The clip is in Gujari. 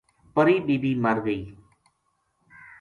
پری بی بی مر گئی